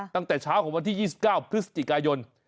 ตั้งแต่เช้าของวันที่๒๙พฤศจิกายน